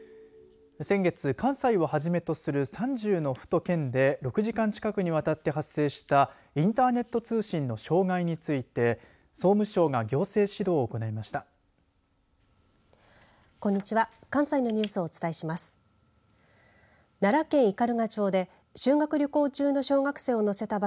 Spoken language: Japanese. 先月、関西をはじめとする３０の府と県で６時間近くにわたって発生したインターネット通信の障害について総務省が行政指導を行いました。